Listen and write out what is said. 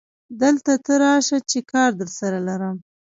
دلته ته راشه چې کار درسره لرم